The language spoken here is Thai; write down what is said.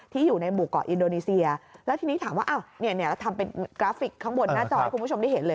อยู่ในหมู่เกาะอินโดนีเซียแล้วทีนี้ถามว่าอ้าวเนี่ยเราทำเป็นกราฟิกข้างบนหน้าจอให้คุณผู้ชมได้เห็นเลย